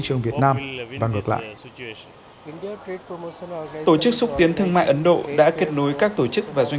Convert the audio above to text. trường việt nam và ngược lại tổ chức xúc tiến thương mại ấn độ đã kết nối các tổ chức và doanh